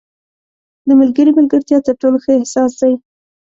• د ملګري ملګرتیا تر ټولو ښه احساس دی.